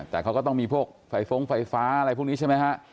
แต่เขาก็ต้องมีพวกไฟฟ้องไฟฟ้าอะไรพวกนี้ใช่ไหมฮะ